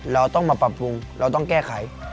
เราต้องมาปรับปรุงเราต้องแก้ไข